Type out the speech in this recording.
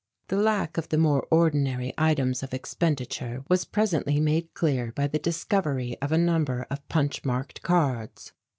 The lack of the more ordinary items of expenditure was presently made clear by the discovery of a number of punch marked cards.